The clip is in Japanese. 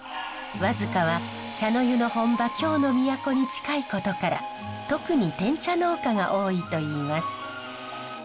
和束は茶の湯の本場京の都に近いことから特にてん茶農家が多いといいます。